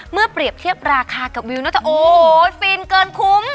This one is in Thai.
เมื่อเปรียบเทียบราคากับวิวโอ้วววฟินเกินคุ้ม